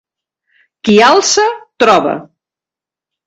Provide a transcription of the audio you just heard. Qui alça, troba.